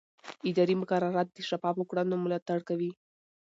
اداري مقررات د شفافو کړنو ملاتړ کوي.